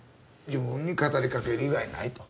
自分に語りかける以外ないと。